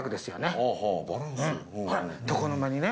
ほら床の間にね